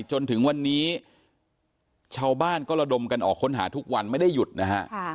จนถึงวันนี้ชาวบ้านก็ระดมกันออกค้นหาทุกวันไม่ได้หยุดนะฮะ